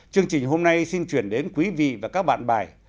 chương trình hôm nay xin chuyển đến quý vị và các bạn bài